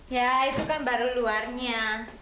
ya itu kan baru luarnya